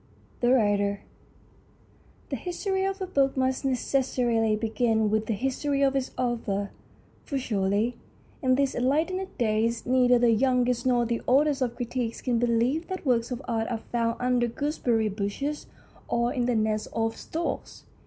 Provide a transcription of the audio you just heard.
THE WRITER THE history of a book must necessarily begin with the history of its author, for surely in these enlightened days neither the youngest nor the oldest of critics can believe that works of art are found under gooseberry bushes or in the nests of storks.